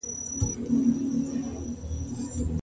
آيا له بيا مسلمانېدو څخه انکار د بيلتون سبب دی؟